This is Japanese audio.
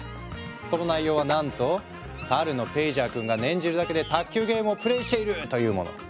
その内容はなんと猿のペイジャー君が念じるだけで卓球ゲームをプレイしている！というもの。